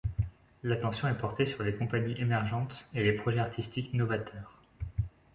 L'attention est portée sur les compagnies émergentes et les projets artistiques novateurs.